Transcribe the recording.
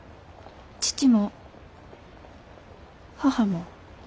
父も母も。